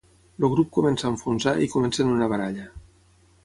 El grup comença a enfonsar i comencen una baralla.